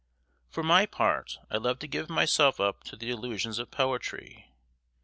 For my part, I love to give myself up to the illusions of poetry.